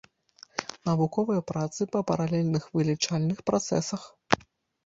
Навуковыя працы па паралельных вылічальных працэсах.